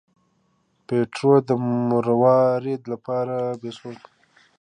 پیټرو د مروارید لپاره بیپو پسې و.